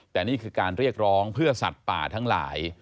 แต่นี่คือการเรียกร้องเพื่อสัตว์ป่าทั้งหลาย